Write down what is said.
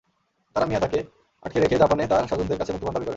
তাঁরা মিয়াতাকে আটকে রেখে জাপানে তাঁর স্বজনদের কাছে মুক্তিপণ দাবি করেন।